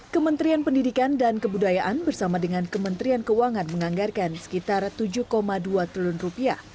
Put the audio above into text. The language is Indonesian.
kementerian pendidikan dan kebudayaan bersama dengan kementerian keuangan menganggarkan sekitar tujuh dua triliun rupiah